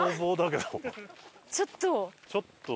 ちょっと。